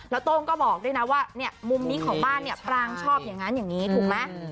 แล้วโต้งก็บอกด้วยนะว่าเนี่ยมุมนี้ของบ้านเนี่ยปรางชอบอย่างนั้นอย่างนี้ถูกไหม